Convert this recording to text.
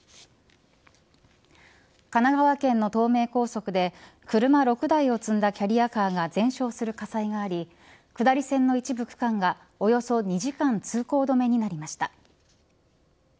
神奈川県の東名高速で車６台を積んだキャリアカーが全焼する火災があり下り線の一部区間がおよそ２時間通行止めになりました。